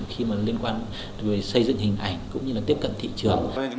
khi mà liên quan về xây dựng hình ảnh cũng như là tiếp cận thị trường